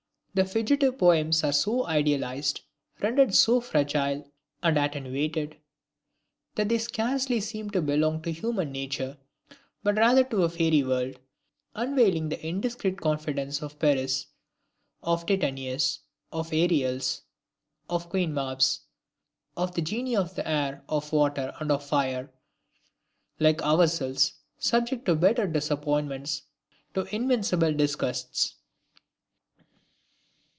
These fugitive poems are so idealized, rendered so fragile and attenuated, that they scarcely seem to belong to human nature, but rather to a fairy world, unveiling the indiscreet confidences of Peris, of Titanias, of Ariels, of Queen Mabs, of the Genii of the air, of water, and of fire, like ourselves, subject to bitter disappointments, to invincible disgusts.